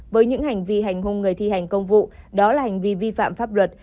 với những hành vi hành hung người thi hành công vụ đó là hành vi vi phạm pháp luật